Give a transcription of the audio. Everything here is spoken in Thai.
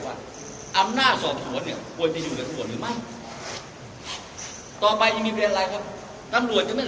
วันนี้มันจะอยู่ขอแล้วช่อน